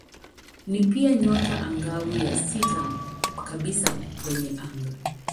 Ni pia nyota angavu ya sita kabisa kwenye anga.